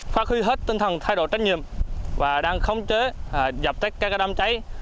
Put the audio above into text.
phát huy hết tinh thần thay đổi trách nhiệm và đang khống chế dập tích các đám cháy